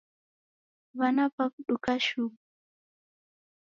W'ana w'aw'uduka shuu